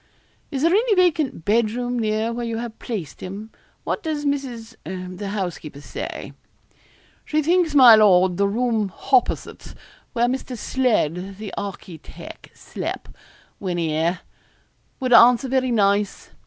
'Is there any vacant bed room near where you have placed him? What does Mrs. the housekeeper, say?' 'She thinks, my lord, the room hopposit, where Mr. Sledd, the architeck, slep, when 'ere, would answer very nice.